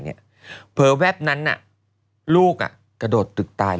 เผลอแวบนั้นลูกกระโดดตึกตาย